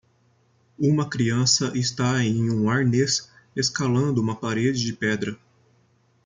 Uma criança está em um arnês escalando uma parede de pedra.